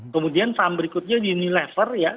kemudian sam berikutnya di new level ya